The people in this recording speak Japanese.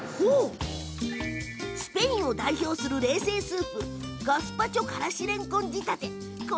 スペインを代表する冷製スープガスパチョからしれんこん仕立て。